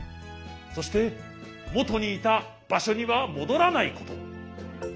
そしてもとにいたばしょにはもどらないこと。